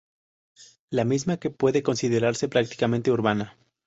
La misma que puede considerarse, prácticamente, urbana.